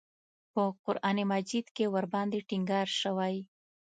په قران مجید کې ورباندې ټینګار شوی.